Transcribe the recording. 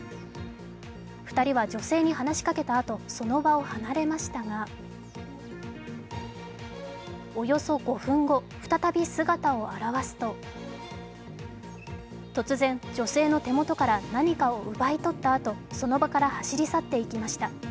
２人は女性に話しかけたあとその場を離れましたがおよそ５分後、再び姿を現すと突然、女性の手元から何かを奪い取ったあとその場から走り去っていきました。